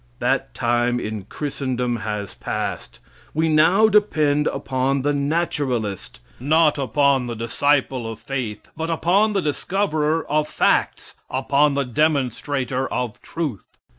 That time in Christendom has passed. We now depend upon the naturalist not upon the disciple of faith, but upon the discoverer of facts upon the demonstrator of truth.